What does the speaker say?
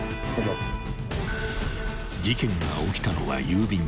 ［事件が起きたのは］